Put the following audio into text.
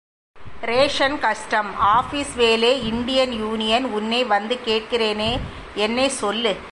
Ration கஷ்டம், office வேலை, Indian union...... உன்னை வந்து கேட்கிறேனே, என்னைச் சொல்லு!